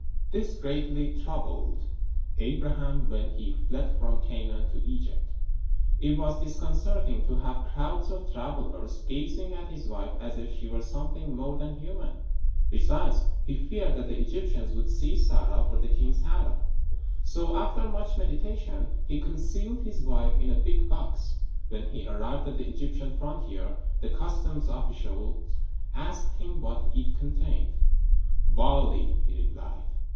This greatly troubled Abraham when he fled from Canaan to Egypt. It was disconcerting to have crowds of travelers gazing at his wife as if she were something more than human. Besides, he feared that the Egyptians would seize Sarah for the king's harem. So, after much meditation, he concealed his wife in a big box. When he arrived at the Egyptian frontier, the customs officials asked him what it contained. "Barley," he replied.